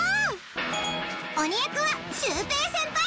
鬼役はシュウペイ先輩。